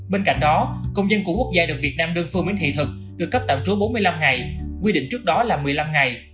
bên cạnh đó công dân của quốc gia được việt nam đơn phương miễn thị thực được cấp tạm trú bốn mươi năm ngày quy định trước đó là một mươi năm ngày